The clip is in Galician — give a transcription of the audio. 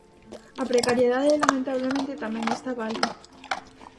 A precariedade lamentablemente tamén estaba alí.